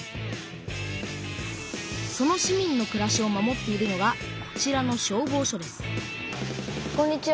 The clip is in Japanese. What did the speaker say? その市民のくらしを守っているのがこちらの消防しょですこんにちは。